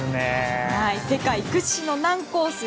世界屈指の難コース